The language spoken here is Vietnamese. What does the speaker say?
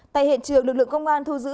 tại hiện trường lực lượng công an thu giữ